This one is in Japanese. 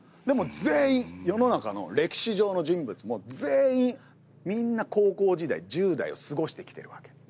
でも全員世の中の歴史上の人物も全員みんな高校時代１０代を過ごしてきてるわけ。